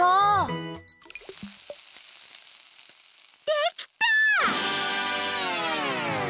できた！